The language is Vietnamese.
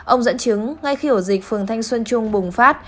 ông dẫn chứng ngay khi ổ dịch phường thanh xuân trung bùng phát